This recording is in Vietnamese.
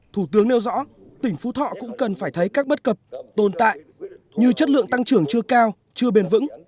thủ tướng nêu rõ tỉnh phú thọ cũng cần phải thấy các bất cập tồn tại như chất lượng tăng trưởng chưa cao chưa bền vững